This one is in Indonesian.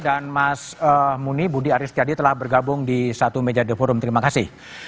dan mas muni budi aris kyadi telah bergabung di satu meja the forum terima kasih